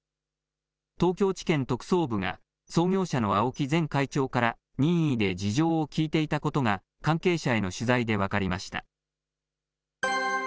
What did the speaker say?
東京地検特捜部が創業者の青木前会長から任意で事情を聴いていたことが、関係者への取材で分かりました。